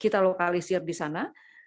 kita lokalisir di sana